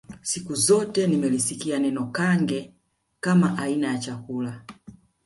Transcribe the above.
Siku zote nimelisikia neno Kange kama aina ya chakula